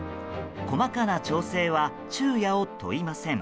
細かな調整は昼夜を問いません。